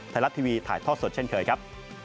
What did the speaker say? ไทยรัฐทีวีถ่ายทอดสดเช่นเคยครับ